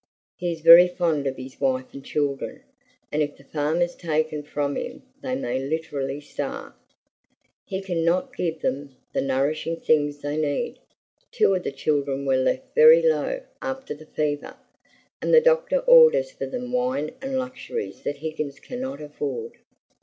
"He is very fond of his wife and children, and if the farm is taken from him they may literally starve. He can not give them the nourishing things they need. Two of the children were left very low after the fever, and the doctor orders for them wine and luxuries that Higgins can not afford."